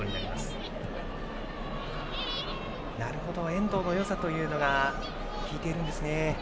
遠藤のよさというのが効いているんですね。